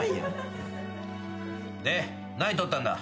で何取ったんだ？